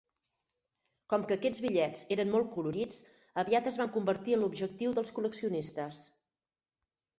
Com que aquests bitllets eren molt colorits, aviat es van convertir en l'objectiu dels col·leccionistes.